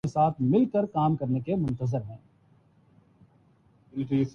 fifty fifty کی انگریزی پر امریکی حیران